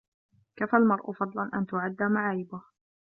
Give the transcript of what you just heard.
كفى المرء فضلا أن تُعَدَّ معايبه